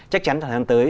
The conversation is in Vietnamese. chắc chắn tháng tới